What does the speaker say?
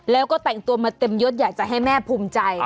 แล้วก็แต่งตัวมาเต็มยดอยากจะให้แม่ภูมิใจ